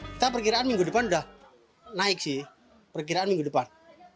kita perkiraan minggu depan udah naik sih perkiraan minggu depan